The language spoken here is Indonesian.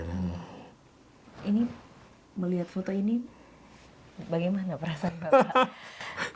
ini melihat foto ini bagaimana perasaan bapak